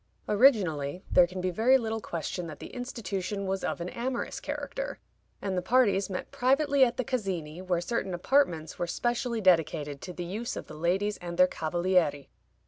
Originally, there can be very little question that the institution was of an amorous character, and the parties met privately at the Casini, where certain apartments were specially dedicated to the use of the ladies and their cavalieri.